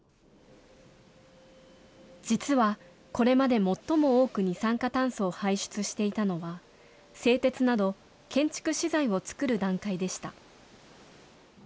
実は、これまで最も多く二酸化炭素を排出していたのは、製鉄など、建築資材を作る段階でした。